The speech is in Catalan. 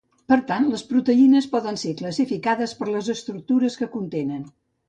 Per tant, les proteïnes poden ser classificades per les estructures que contenen.